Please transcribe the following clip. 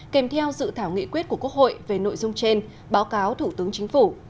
kèm theo dự thảo nghị quyết của quốc hội về nội dung trên báo cáo thủ tướng chính phủ